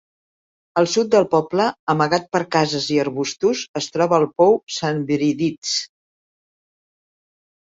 Al sud del poble, amagat per cases i arbustos, es troba el pou St.Bridits.